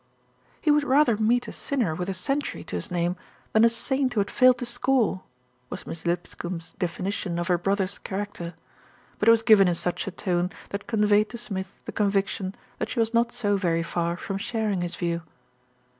"He would rather meet a sinner with a century to his name than a saint who had failed to score," was Miss Lipscombe's definition of her brother's charac ter; but it was given in such a tone that conveyed to Smith the conviction that she was not so very far from sharing his view.